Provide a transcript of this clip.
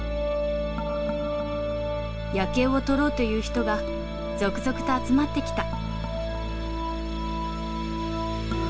夜景を撮ろうという人が続々と集まってきた。